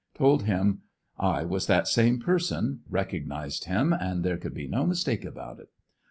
Told him ''I was that same person, recognized him and there could be no mistake about it."